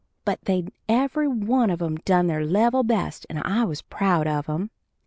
But they'd every one of 'em done their level best and I was proud of 'em.